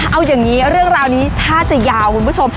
เอาอย่างนี้เรื่องราวนี้ถ้าจะยาวคุณผู้ชม